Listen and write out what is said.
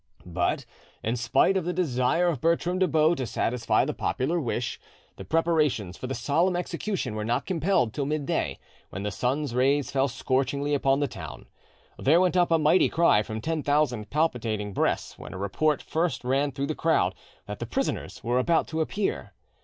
But, in spite of the desire of Bertram de Baux to satisfy the popular wish, the preparations for the solemn execution were not completed till midday, when the sun's rays fell scorchingly upon the town. There went up a mighty cry from ten thousand palpitating breasts when a report first ran through the crowd that the prisoners were about to appear.